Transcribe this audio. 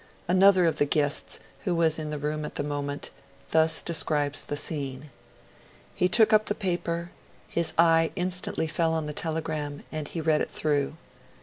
Another of the guests, who was in the room at the moment, thus describes the scene: 'He took up the paper, his eye instantly fell on the telegram, and he read it through.